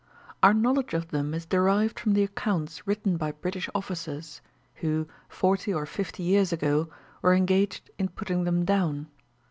Our knowledge of them is derived from the accounts written by British officers, who, forty or fifty years ago, were engaged in putting them down.